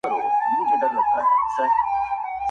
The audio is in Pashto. او پر ښکلې نوراني ږیره به توی کړي-